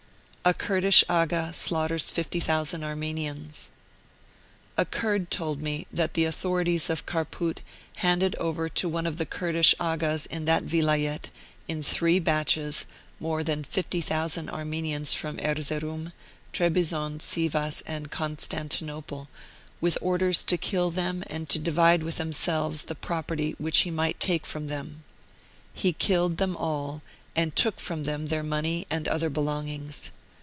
A KURDISH AGHA SLAUGHTERS 50,000 AR MENIANS. A Kurd told me that the authorities of Kharpout handed over to one of the Kurdish Aghas in that Vilayet, in three batches, more than 50,000 Armenians from Erzeroum, Trebizond, Sivas, and Constantinople, with orders to kill them and to Martyred Armenia 37 divide with themselves the property which he might take from them. He killed them all and took from them their money and other belongings.